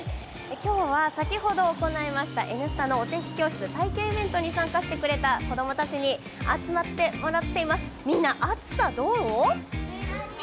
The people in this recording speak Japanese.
今日は先ほど行いました「Ｎスタ」のお天気教室体験イベントに参加してくれた子供たちに集まってもらっています、みんな、暑さ、どう？